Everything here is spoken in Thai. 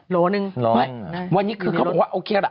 ล้อหนึ่งไม่วันนี้คือเขาก็บอกว่าโอเคละ